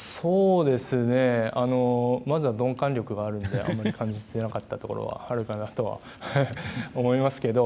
まずは鈍感力があるのであまり感じてなかったところがあるとは思いますけど。